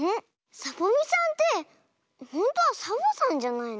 サボみさんってほんとはサボさんじゃないの？